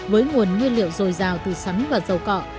với nguồn nguyên liệu dồi dào từ sắn và dầu cọ